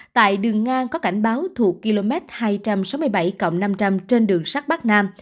tại đường ngang có cảnh báo thuộc km hai trăm sáu mươi bảy năm trăm linh trên đường sắt bắc nam